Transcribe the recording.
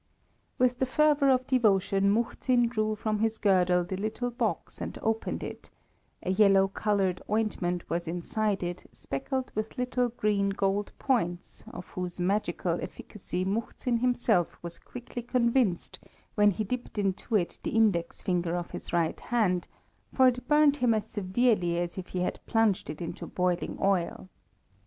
With the fervour of devotion, Muhzin drew from his girdle the little box and opened it; a yellow coloured ointment was inside it, speckled with little green gold points, of whose magical efficacy Muhzin himself was quickly convinced when he dipped into it the index finger of his right hand, for it burnt him as severely as if he had plunged it into boiling oil.